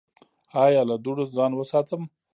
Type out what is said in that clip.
ایا له دوړو ځان وساتم؟